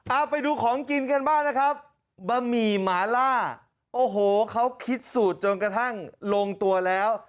เอาไปดูของกินกันบ้างนะครับบะหมี่หมาล่าโอ้โหเขาคิดสูตรจนกระทั่งลงตัวแล้ว